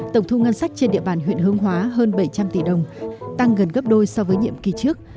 tổng thu ngân sách trên địa bàn huyện hương hóa hơn bảy trăm linh tỷ đồng tăng gần gấp đôi so với nhiệm kỳ trước